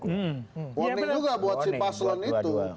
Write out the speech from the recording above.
warning juga buat si paslon itu